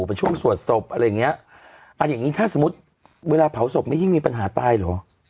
เป็นช่วงสวดศพอะไรอย่างเงี้ยอ่าอย่างงี้ถ้าสมมุติเวลาเผาศพไม่ยิ่งมีปัญหาตายเหรอ